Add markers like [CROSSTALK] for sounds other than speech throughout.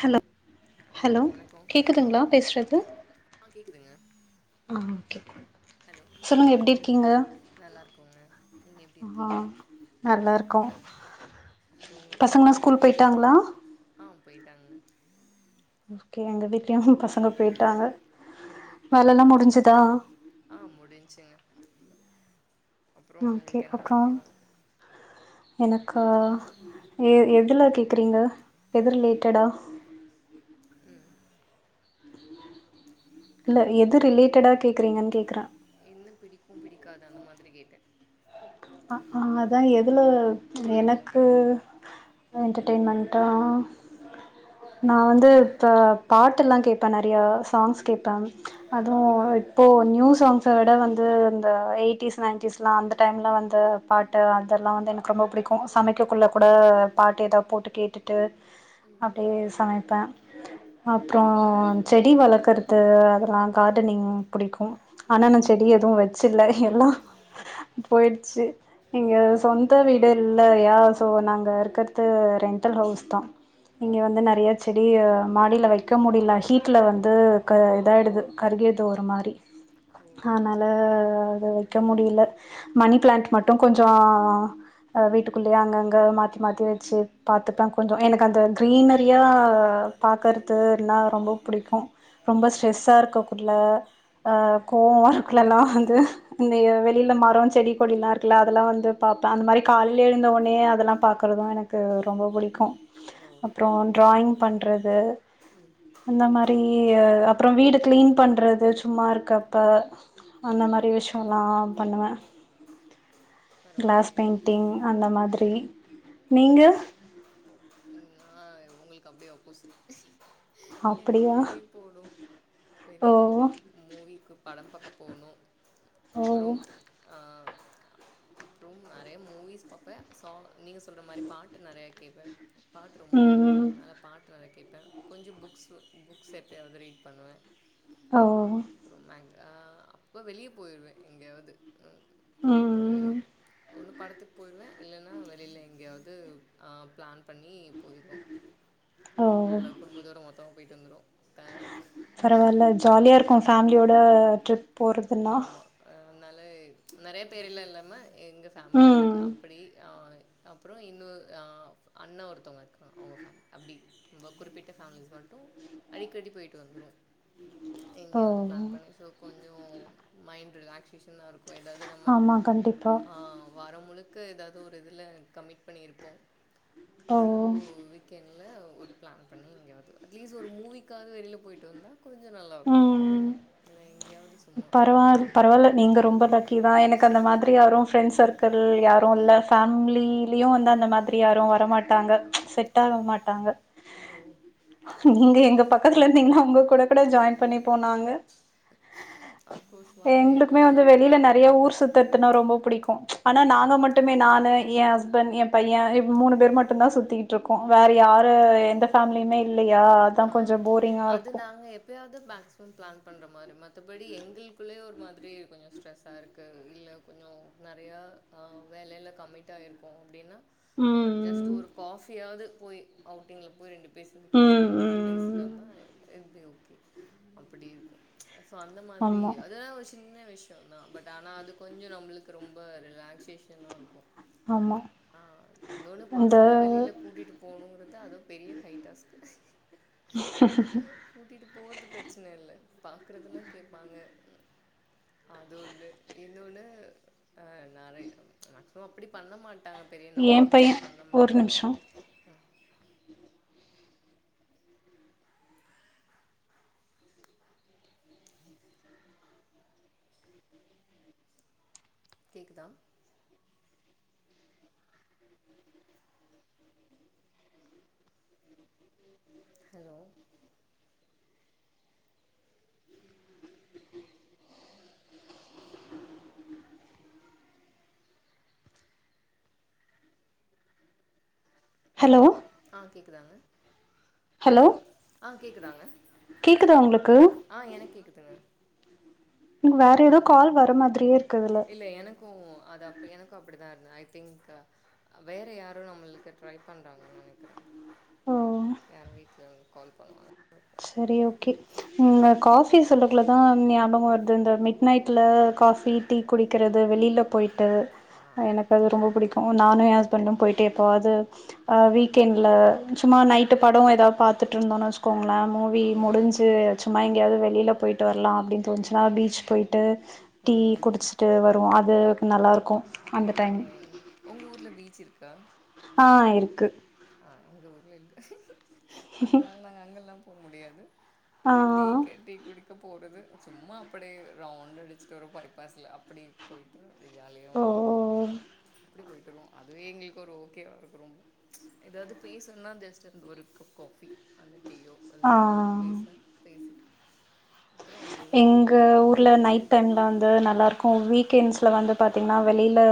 Hello hello கேக்குதுங்களா பேசுறது கேக் ஆ கேட்குதுங்க ஆ கேட்குது ஹலோ நல்லாருக்கோங்க நீங்க எப்டி ஆ இருக்கீங்க நல்லா இருக்கோ அப்றோ உங்க பேரு பசங்கள்ளா ஸ்கூல் போயிட்டாங்களா ஆ போய்டாங்கங்க ஓகே எங்க வீட்லையு பசங்க போயிட்டாங்க ம் வேலையெல்லா முடிஞ்சுதா ஆ முடிஞ்ச்சிங்க அப்றோ ஓகே உங்களுக்கு என்ன பிடிக்கு எனக்கா எ எதுலா கேக்றீங்க எது ரிலேட்டடா ம் இல்ல எது ரிலேட்டடா கேட்கறீங்கன்னு கேட்கறே என்ன பிடிக்கு பிடிக்காது அந்த மாதிரி கேட்டே அ ஆ அதா எதுல பொழுதுபோக்கு எனக்கு என்டர்டெய்ன்மெண்ட்டா நா வந்து இப்போ பாட்டெல்லா கேப்பே நறையா சாங்ஸ் கேப்பே ம் அதுவு இப்போ நியூ சாங்ஸ் விட வந்து இந்த எயிட்டிஸ் நைன்டிஸ் எல்லா அந்த டைம்ல வந்த பாட்டு அதெல்லா வந்து எனக்கு ரொம்ப பிடிக்கு சமைக்கக்குள்ள கூட பாட்டு ஏதாவது போட்டு கேட்டு ட்டு ம் அப்டியே சமைப்பே அப்றோ செடி வளர்க்கறது அதெல்லா கார்டனிங் பிடிக்கும் ஆனா நா ம் செடி எதுவும் வச்சர்ல எல்லா போயிடுச்சு இங்க ம் சொந்த வீடு இல்லயா சோ நாங்க இருக்கறது ரென்டல் ஹவுஸ் தா ஓ இங்க வந்து நெறைய செடி அ மாடியில வைக்க முடியல ஹீட்ல வந்து க இதாயிடுது கருகிருது ஒரு மாரி ஓ அதனால அத வைக்க முடியல மணி பிளான்ட்டு மட்டும் கொஞ்சோ அத வீட்டுக்குள்ளயே அங்கங்க மாத்தி மாத்தி வச்சு பாத்துப்ப கொஞ்சம் எனக்கு அந்த க்ரீனரியா பாக்குறது அப்டினா ரொம்ப புடிக்கும் ரொம்ப ம் ஸ்ட்ரெஸ்ஸா இருக்கு இல்ல அ கோவமா இருக்குலல்லா வந்து இந்த வெளியில மா மரம் செடி கொடில்லா இருக்குல அதெல்லா வந்து பாப்ப அந்த மாரி காலைலேல எழுந்தவுன்னயே அதெல்லாம் பாக்குறதும் எனக் க்கு ரொம்ப புடிக்கும் ஓ அப்புறம் டிராயிங் பண்றது அந்த மாரி ஆ அப்புறம் வீடு கிளீன் பண்றது சும்மா இருக்கப்ப அந்த ம் மாரி விஷயம்ல்லா பண்ணுவ கிளாஸ் பரவால்லயே பெயிண்டிங் அந்த மாதிரி நீங்க ம் நா உங்களுக்கு அப்டியே ஆப்போசிட் எனக்கு அப்படியா வெளிய போனும் ஓ வெளிய போனும் மூவிக்கு படம் பாக்க போணும் ஓ அப்புறம் ஆ அப்புறம் நெறைய மூவிஸ் பாப் ப சா நீங்க சொல்ற மாரி பாட்டு நெறைய கேட்ப பாட்டு ரொம்ப ம் ம் பிடிக்கும் அதனால பாட்டு பாட்ட கேப்ப கொஞ்சம் புக்ஸ் புக்ஸ் எப்பயாவது ரீட் பண்ணுவ ஓ அப்புறம் மெக ஆ அப்போ வெளிய போயிடுவ எங்கேயாவது ம் போயிட்டு ம் ஒன்னு படத்துக்கு போயிருவ இல்லன்னா வெளியிலா எங்கேயாவது ஆ பிளான் பண்ணி போயிருவோம் ஓ நல்ல குடும்பத்தோட மொத்தமா போய்ட்டு வந்துருவோ த பரவாயில்ல ஜாலியா இருக்கும் ஃபேமிலியோட ட்ரிப் போறதுன்னா ஆமா அதனால நெறைய பேர்ல்லா இல்லாமா எங்க ஃபேமிலி ம் அப்படி ஆ அப்புறம் இன்னும் அ அண்ணா ஒருத்தவுங்க இருக்கா அவுங்க ஃபேமிலி அப்படி ரொம்ப குறிப்பிட்ட ஃபேமிலிஸ் மட்டும் அடிக்கடி போயிட்டு வந்துருவோ ஓ எங்கேயாவது பிளான் பண்ணி சோ கொஞ்சம் மைண்ட் ரிலாக்சேஷனா இருக்கு போயிடாது நம்ம ஆமா கண்டிப்பா ஆ வாரம் முழுக்க ஏதாவது ஒரு இதுல கம்மிட் பண்ணியிருப்போம் ஓ சோ வீக் என்ட்ல ஒரு பிளான் பண்ணி எங்கேயாவது அட்லீஸ்ட் ஒரு மூவிக்காது வெளியில போயிட்டு வந்தா கொஞ்சம் நல்லா இருக்கும் ம் இல்ல எங்கேயாவது சும்மா அது பரவாயில்ல நீங்க ரொம்ப லக்கி தா எனக்கு அந்த மாதிரி அப்டி யாரும் ஃபிரண்ட்ஸ் சர்க்குள் யாரும் இல்ல ஃபேமிலிலயும் வந்து அந்த மாதிரி யாரும் வர மாட்டாங்க செட் ட்டாக மாட்டாங்க ஓ நீங்க அப் எங்க பக்கத்துல இருந்தீங்கன்னா உங்க கூட கூட ஜாயின் பண்ணிப்போ நாங்க [UNINTELLIGIBLE] அஃப்கோர்ஸ் வாங்க எங்களுக்குமே வந்து எப்போனாலும் வெளியில வரலாம் நெறைய ஊர் சுத்ததுனா ரொம்ப பிடிக்கும் ஆனா ஓ நாங்க மட் ட்டுமே நானு என் ஹஸ்பண்ட் என் பையன் மூணு பேர் மட்டும்தான் சுத்திட்டு இருக்கோ வேற யாரு எந்த ஃபேமிலியுமே இல்லையா ஆ அதான் கொஞ்சம் போரிங்கா அது இருக்கும் நாங்க எப்பயாவது மேக்ஸிமம் பிளான் பண்ற மாரி மத்தபடி எங்களுக்குள்ளயே ஒரு மாதிரி கொஞ்சம் ஸ்ட்ரெஸ்ஸா இருக்கு இல்ல கொஞ்சம் நெறையா ஆ வேலையில கம்மிட் ஆயிருக்கோ அப்டின்னா ஜஸ்ட் ம் ஒரு காஃபியாவது போய் அவுட்டிங்ல போய் ரெண்டு பேர் சேந்து குடிச்சிட்டு ட்டு ம் ம் வந்துட்டு பேசிட்டு ம் வந்தா இது பி ஓகே அப்படி இருக்கும் சோ அந்த ம் மாதிரி ஆமா அதெல்லாம் விஷயம் சின்ன விஷயம்தா பட் ஆனா அது கொஞ்சம் நம்மளுக்கு ரொம்ப ரிலாக்சேஷனா இருக்கும் ஆமா ஆ இன்னொன்னு அந்த பசங்க வெளியில கூட்டிட்டு போகணுங்குறது அதுவு பெரிய ஹைடாஸ்க்கு [UNINTELLIGIBLE] கூட்டிட்டு போறது பிரச்சன இல்ல பாக்குறதெல்லா கேப்பாங்க அது ஒன்னு இன்னொன்னு ஆ நெறை மேக்சிமம் அப்பிடி பண்ண மாட்டாங்க பெரிய ஏ பைய நாட்டினஸ் பண்ண ஒரு மாட்டாங்க நிமிஷோ ம் கேக்குதா ஹலோ [UNINTELLIGIBLE] ஹலோ ஆ கேக்குதாங்க ஹலோ ஆ கேக்குதாங்க கேக்குதா உங்களுக்கு ஆ எனக் கேக்குதுங்க இங்க வேற ஏதோ கால் வர மாதிரியே இருக்கு அதுல்ல இல்ல எனக்கு அது அப் எனக்கு அப்டிதா இருந்த ஐ திங்க் வேற யாரோ நம்மளுக்கு ட்ரை பண்றாங்கன் நெனைக்கிறே ஓ யார் வீட்ல வந்து கால் பண்ணுவாங்க சரி ஓகே முன்ன ம். காஃபி சொல்றக்குலதா ஞாபகோ வருது இந்த மிட் நைட்ல காஃபி டீ குடிக்கிறது வெளியில போயிட்டு ஆ. அ எனக் கது ரொம்ப புடிக்கு நானு ஏ ஹஸ்பண்டு போயிட்டு எப்பவாது ஆ வீக்கெண்ட்ல சும்மா நைட்டு படோ எதா பாத்துட்ருந்தோனு வச்சுக்கோங் ளே மூவி ம். முடிஞ்சு சும்மா எங்கயாவது வெளியில போயிட்டு வரலா அப்டின் தோனுச்சுனா பீச் போயிட்டு டீ ம். குடிச் டு வருவோ அது நல்லாருக்கு அந்த டைம் பரவால்லயே ஒங்க ஊர்ல பீச் இருக்கா ஆ இருக்கு ஆ எங்க ஊர்ல இல்ல அதுனால நாங்க அங்கல்லா போக முடியாது ஆ ஒரு டீக்கு டீ குடிக்க போறது சும்மா அப்பிடி ரவுண்ட் அடிச்சிட்டு வரு பைப்பாஸ்ல அப்பிடி போயிட்டு ஜாலியா ஓ ஒரு அப்டி போய்ட்டுருவோ அதுவே எங்களுக்கு ஒரு ஓகேவா இருக்கு ரொம் எதாவது பேசன்னா ஜஸ்ட் அந்த ஒரு கப் காஃபி அந்த டீயோ அதுல எதாவது ஆ பேச பேசிட்டு அப்றோ ரூ க ஊர்ல நைட் டைமுல வந்து நல்லாருக்கு வீக்கெண்ட்ஸுல வந்து பாத்தீங்னா வெளியில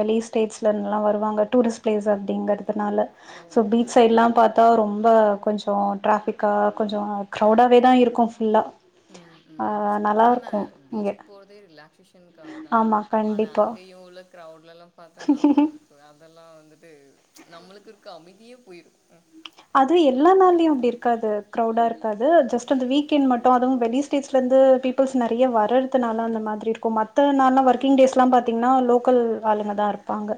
வெளிஸ் டேட்ஸ்லருந்துலா வருவாங்க டூரிஸ் பிளேஸ் அப்டிங்கற் துனால ஓ சோ பீச் ஓ சைல்லா பாத்தா ரொம்ப கொஞ்சோ டிராஃபிக்கா கொஞ்சோ க்ரௌவுடாவேதா இருக்கு ஃபுல்லா ம் ஆ ம் ஆனா நல்லாருக்கு இங்க பீஜிக் போறத் தே ரிலாக்சேஷனுக்காகதா ஆமா ஆனா கண்டிப்பா அங்கயு உள்ள கிரவுட்லல்லா பாத்தா நா சோ அதெல்லா வந்துட்டு நம்மளுக்கு இருக்க அமைதியே போயிரு அதுவு எல்லா நாள்லையு அப்டி இருக்காது க்ரௌவுடா இருக்காது ஜஸ்ட் அந்த வீக்கெண்ட் மட்டு அதுவு வெளிஸ் டேட்ஸ்லந்து பிப்புள்ஸ் நெறைய வர்ரறதுனால அந்த மாதிரி இருக்கு மத்த நாள்லா ஒர்க்கிங் டேஸ்லா பாத்தீங்னா லோக்கல் வாளுங்கதா இருப்பாங்க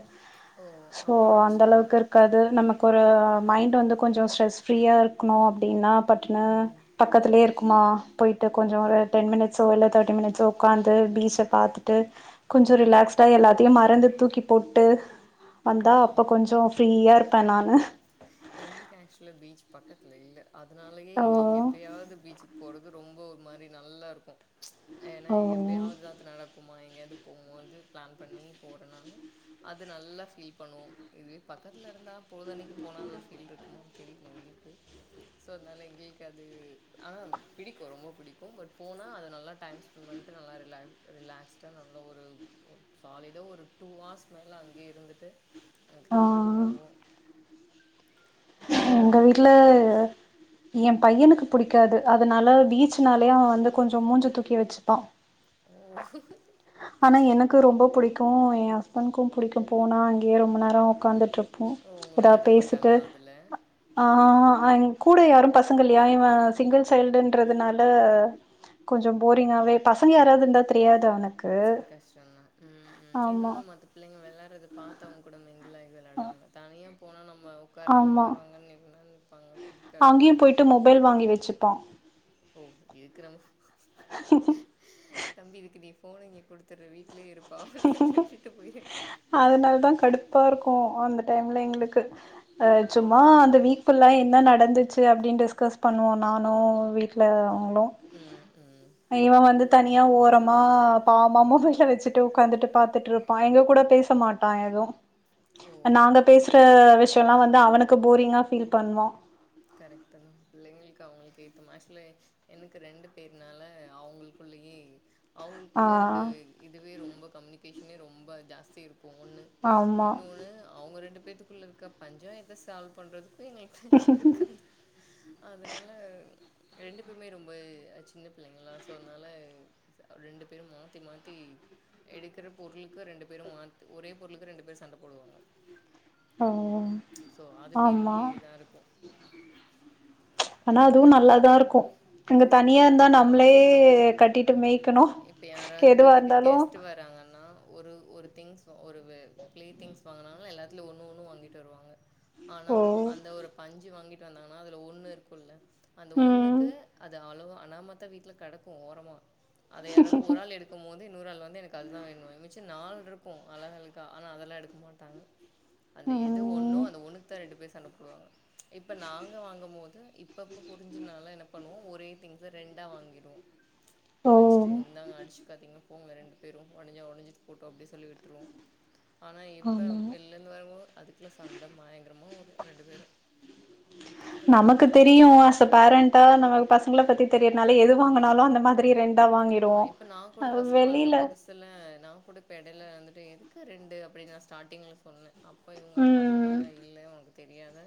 ஓ! சோ அப்ப அந்த பிரச்சனை இல்ல. அளவுக்கு இரு இருக்காது நமக்கு ஒரு மைண்ட் வந்து கொஞ்ச ஸ்ட்ரெஸ் ஃப்ரீயா இருக்குணு அப்பிடின்னா பட்டுனு ம், பக்கத்திலே இருக்குமா போயிட்டு கொஞ்ச ஒரு டென் மினிட்ஸோ இல்ல தேர்ட்டி மினிட்ஸோ உக்காந்து பீச்ச பாத்துட்டு கொஞ்ச ம். ரிலாக்ஸ்டா எல்லாத்தியு மறந்து தூக்கிப் போட்டு வந்தா ஓ! அப்ப கொஞ்ச ஃப்ரீயா இருப்பே நானு எங்களுக்கு ஆக்சுவல பீச் பக்கத்துல இல்ல அதனாலயே ஓ எங்களுக்கு எப்பயாவது பீச் போறது ரொம்ப ஒரு மாரி நல்லா இருக்கு ஏன்னா ஓ எப்பயாவதுதா அது நடக் குமா எங்கேயாவது போம்போது பிளான் பண்ணி போறனால அது நல்லா ஃபீல் பண்ணுவோ இதுவே பக்கத்தில இருந்தா பொழுதனைக்கு போனா ஒரு ஃபீல் இருக்குமான்னு தெரில எங்குளுக்கு சோ அதனால எங்களுக்கு அது ஆ பிடிக்கு ரொம்ப பிடிக்கு பட் போனா அது நல்லா டைம்ஸ் ந்துட்டு நல்லா ரிலா ரிலாக்ஸ்டா நல்ல ஒரு சாலிடா ஒரு டூ ஹர்ஸ் மேல அங்கே இருந்துரு டு ஆ அதுக்கப்புற தா வருவோ எங்க வீட்டு்ல எ பையனுக்கு புடிக்காது அதனால பீச்சுனாலயே அவ வந்து கொஞ்ச மூஞ்ச தூக்கி வச்சுப்பா ஓ ஆனா எனக்கு ரொம்ப புடிக்கு எ ஹஸ்பண்ட்க்கு புடிக்கு போனா அங்கேயே ரொம்ப நேர உக்காந்துட்டுரு போ ஏதா பேசிட்டு இல்ல ஆ எங் கூட யாரு பசங்க இல்லயா இவ சிங்குள் சைல்டுன்றதுனால கொஞ்ச போரிங்காவே பசங்க யாராவது இருந்தா தெரியாது அவுனக்கு கஷ்டந்தா ம் ம் ஆமா இன்னொன்னு மத்த பிள்ளைங்க விளாறது பாத்தா அவுங்க கூட மிங்கிலாகி விளாடுவாங்க தனியா போனா நம்ம உக்காரணு ஆமா உக்காருவாங்க நில்லுனா நிப்பாங்க புடிக்காது ட்டு மொபைல் வாங்கி வச்சுப்பா ஓ இருக்குற தம்பி இருக்கு நீ ஃபோனு இங்க குடுத்துறு வீட்லயே இருப்பா அப்டின்னு சொல்லி விட்டு போயிருங்க அதனால தா கடுப்பா இருக்கு அந்த டைம்ல எங்குளுக்கு அ சும்மா அந்த வீக்கு ஃபுல்லா என்ன நடந்துச்சு அப்பிடின்ற டிஸ்கஸ் பண்ணுவோ நானு வீட்டில அவுங்குளு ம் ம் இவ வந்து தனியா ஓரமா பாமாமவ மொகத்த வச்சி உக்காந்துட்டு பத்துட்டு இருப்ப எங்க கூட பேச மாட்ட எதுவு ஓ நாங்க பேச க்குற விஷய எல்லா வந்து அவனுக்கு போரிங்கா ஃபீல் பண்ணுவா கரெக்ட்டா தா பிள்ளைங்களுக்கு அவங்களுக்கு ஏத்த மனசுல எனக்கு ரெண்டு பேருனால அவங்களுக் குள்ளயே அவங்களுக்கு குள்ளே இருக்க ஆ இதுவே ரொம்ப கம்யூனிகேஷனே ரொம்ப ஜாஸ்தி இருக்கு ஒன்னு ஆமா இன்னொன்னு அவங்க ரெண்டு பேத்துக்குள்ள இருக்க பஞ்சத்த சால்வ் பண்றதுக்கு எங்களுக்கு டைம் இருக்காது அதனால ரெண்டு பேருமே ரொம்ப சின்ன பிள்ளைங்கல்லா சோ அதனால ரெண்டு பேரும் மாத்தி மாத்தி எடுக்கிற பொருளுக்கு ரெண்டு பேரும் மாத் ஒரே பொருளுக்கு ரெண்டு பேர் சண்டை போடுவாங்க ஓ சோ அது ஆமா பெரிய இதா இருக்கு ஆனா அதுவு பாரேன் நல்லாதா இருக்கு அங்க தனியா நல்லா இருந்தா இருக்குமா நம்மளே ஐயோ கட்டிட்டு மேய்க்கணு எதுவா இருந்தாலு வந்தாங்கன்னா ஒரு ஒரு திங்ஸ் ஒரு பிளே திங்ஸ் வாங்கினாங்க எல்லாத்துலயு ஒண்ணு ஒண்ணு வாங்கிட்டு வருவாங்க ஆனா ஓ அந்த ஒரு பஞ்சு வாங்கிட்டு வந்தாங்கன்னா அதுல ஒண்ணு இருக்குல்ல அந்த ம் ஒண்ணுக்கு அது அளவு அனாமத்தா வீட்ல கெடக்கு ஓரமா அதை யாராவது ஒரு ஆள் எடுக்கு போது இன்னொரு ஆள் வந்து எனக்கு அதுதா வேணுன்வா ச் நால் இருக்கு அழக் அழகா ஆனா அதெல்லா எடுக்க மாட்டாங்க அந்த எது ஒண்னோ ம் அந்த ஒண்ணுக்குத்தா ரெண்டு பேர் சண்ட போடுவாங்க இப்ப நாங்க வாங்கு போது இப்பப்ப புரிஞ்சனால என்ன பண்ணுவோ ஒரே திங்ஸ்ஸ ரெண்டா வாங்கிருவோ ஓ வச்சுட்டு இந்தாங்க அடிச்சு காதீங்க போங்க ரெண்டு பேரு ஒடாஞ்ச உடஞ்சிட்டு போட்டு அப்டி சொல்லி விட்டுவோ ஆனா இப்ப ஆமா வெல் ல இருந்து வரும்போத் அதுக்குள்ள சண்ட மாயங்கரமா வரு ரெண்டு பேரும் நமக்கு தெரியு அஸ் அ பேரண்டா நம பசங்கள பத்தி தெரியறனால எது வாங்குனாலு ம் அந்த மாரி ரெண் டா ஆமா வாங்கிருவோ இப்ப நா கூட ஃபஸ்ட் வந்த புதுசல நா கூட இப்ப எடையில வந்துட்டு எதுக்கு ரெண்டு அப்டின் நா ஸ்டார்ட்டிங் சொன்னே அப்ப இவங்க அப்பா ம் சொன்னாங்க இல்ல உனக்கு தெரியாது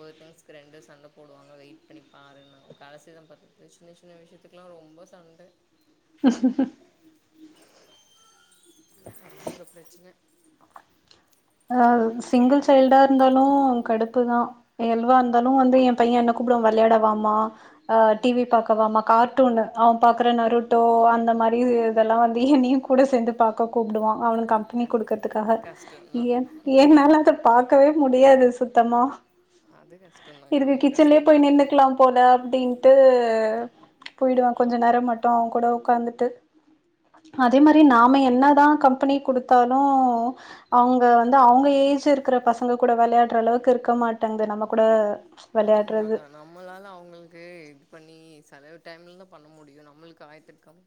ஒரு திங்ஸ்க்கு ரெண்டு சண்ட போடுவாங்க வெயிட் பண்ணி பாருன்னாங்க கடசீல பாத்த டிஸ் டிஸ் சின்ன சின்ன விஷயத்துக்குல்லா ரொம்ப சண்ட அதா இப்ப பிரச்சன ஆ சிங்கிள் சைல்டா இருந்தாலு கடு ப்புதா எதுவா இருந்தாலு வந்து என் பைய என்ன கூப்டுவா விளையாட வாமா ஆ டிவி பாக் கவாமா கார்ட்டூனு அவ பாக்குற நருட்டோ அந்த மாரி இதெல்லா வந்து என்னையு கூட சேர்ந்து பாக்க கூப்டுவா அவனுக்கு கம்பெனி க குடுக்கறதுக்காக கஷ்டந்தா என் என்னால அத பாக்காவே முடியாது சுத்தமா அது கஷ்டந்தாங்க இதுக்கு ரொம்ப கிச்சன்லயே கஷ்டந்தா போய் நின்னுக்கலாம் போடானு அப்டின்ட்டு போயிடுவே கொஞ்ச நேரம் மட்டு அவன் கூட உக்காந்துட்டு அதே மாரி நாம என்னதா கம்பெனி குடுத்தாலு அவங்க வந்து அவங்க ஏஜ் இருக்கிற பசங்க கூட விளையாடுற அளவுக்கு இருக்க மாட்டங்குது நம்ம கூட அதுவு வெளையாடுறது உண்மதா நம்மளால அவுங்களுக்கு இது பண்ணி செலவு டைம்ல தா பண்ண முடியு நம்மளுக்கு ஆயரத்தெட்டு கம்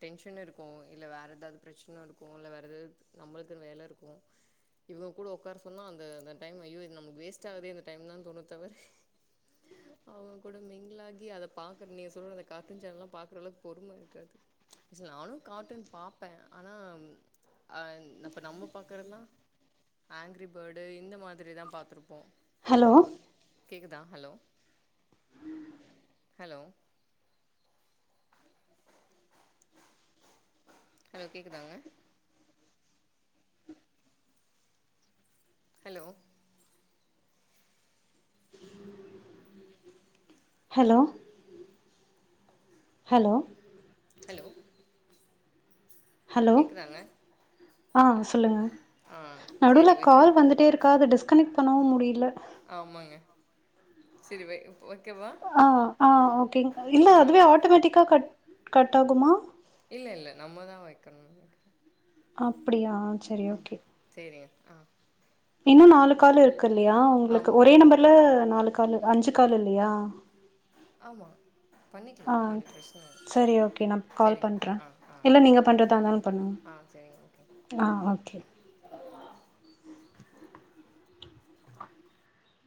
டென்ஷன் இருக்கு இல்ல வேற எதாவது பிரச்சின இருக்கும் இல் வேற எதாவது நம்மளுக்குன்னு வேல இருக்கும் இவுங் கூட உக்கார சொன்னா அந்த அந்த டைம் ஐயோ இது நமக்கு வேஸ்ட் ஆகுதே இந்த டைம் அப்டிதா தோணுமே தவர அவங்க கூட மிங்கிளாகி அதை பா்கற நீ சொல்ற அந்த கார்ட்டூன் சேனல் பாக்குற அளவுக்கு பொறும இருக்காது ச ஆனா நானும் காார்ட்டூன் பாப்பே ஆனா அ அப்ப நம்ம பாக்கறல்லாம் ஆங்கரி பேர்டு இந்த மாதிரிதா பாத்தருப்போ ஹலோ கேக்குதா ஹலோ ஹலோ ஹலோ கேக்குதாங்க hello hello hello hello hello கேக்குதாங்க ஆ சொல்லுங்க ஆ நடுவுல் சேரி வைக்க கால் வந்துட்டே இருக்கா அது டிஸ்கனெக்ட் பண்ணவும் முடில ஆமாங்க செரி வய்ங்க ஆ ஆ ஓகே இல்ல ஆ அதுவே ஆட்டோமேட்டிக்கா கட் கட் ஆகுமா இல்ல இல்ல நம்மதா வைக்கணும்னு நெனைக்கிறே அப்படியா ஆ சேரிங்க ஆ இன்னு ஓகே நாலு கால் இருக்கு இல்லையா உங்களுக்கு ஆமா ஒரே ஆமா நம்பர்ல நாலு கால் அஞ்சு கால் இல்லையா ஆமா பண்ணிக்கலா ஆ அப்டி பிரச்சன இல்ல சரி ஒகே ஓகே நா கால் சேரிங்க பண்றே ஆ ஆ இல்ல நீங்க ஓகேங்க பண்றதா இருந்தாலு பண்ணுங்க ஆ செரிங்க ஓகேங்க ஆ ஓகே